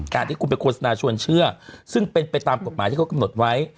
ที่คุณไปโฆษณาชวนเชื่อซึ่งเป็นไปตามกฎหมายที่เขากำหนดไว้